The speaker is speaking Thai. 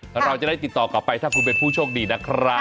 เราจะได้ติดต่อกลับไปถ้าคุณเป็นผู้โชคดีนะครับ